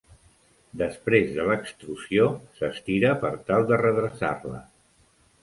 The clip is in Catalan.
Després de l'extrusió, s'estira per tal de redreçar-la.